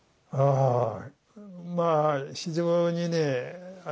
ああ